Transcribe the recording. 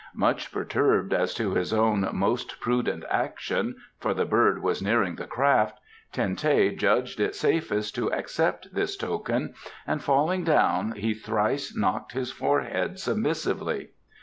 Much perturbed as to his own most prudent action, for the bird was nearing the craft, Ten teh judged it safest to accept this token and falling down he thrice knocked his forehead submissively.